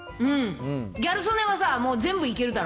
ギャル曽根はさ、もう全部いけるだろ？